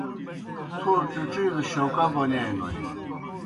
تھو ڇِڇِیلوْ شوکا بونِیائےنوئے۔